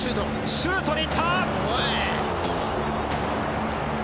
シュートにいった！